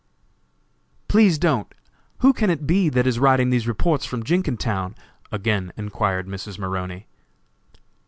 "Please don't! Who can it be that is writing these reports from Jenkintown?" again enquired Mrs. Maroney.